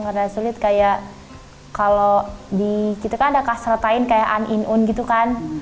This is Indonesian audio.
cuma yang agak sulit kayak kalau di gitu kan ada kasretain kayak an in un gitu kan